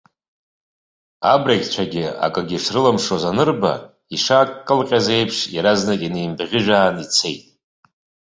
Абрагьцәагьы акгьы шрылымшоз анырба, ишаакылҟьаз еиԥш, иаразнак инеимбӷьыжәаан ицеит.